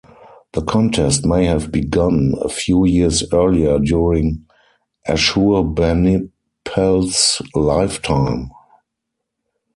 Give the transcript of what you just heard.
The contest may have begun a few years earlier during Ashurbanipal's lifetime.